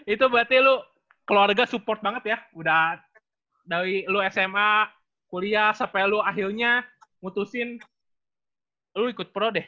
itu berarti lu keluarga support banget ya udah dari lu sma kuliah sampai lu akhirnya ngutusin lo ikut pro deh